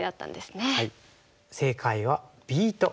正解はＢと。